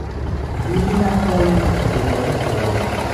دیری نپایید که دوباره سالم شد.